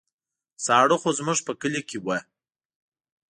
ساړه خو زموږ په کلي کې وو.